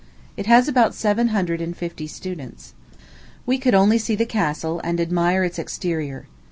It has about seven hundred and fifty students. We could only see the castle, and admire its exterior.